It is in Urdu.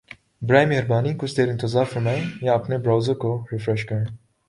براہ مہربانی کچھ دیر انتظار فرمائیں یا اپنے براؤزر کو ریفریش کریں